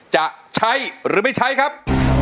จะใช้หรือไม่ใช้ครับ